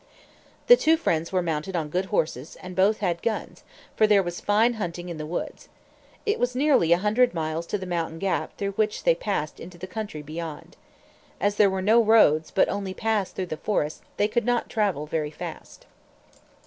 The two friends were mounted on good horses; and both had guns, for there was fine hunting in the woods. It was nearly a hundred miles to the mountain gap through which they passed into the country beyond. As there were no roads, but only paths through the forest, they could not travel very fast.